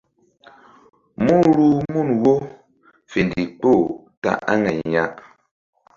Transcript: Mú ruh mun wo fe ndikpoh ta aŋay ya.